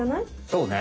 そうね！